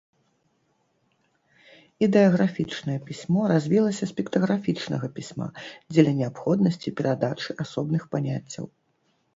Ідэаграфічнае пісьмо развілася з піктаграфічнага пісьма дзеля неабходнасці перадачы асобных паняццяў.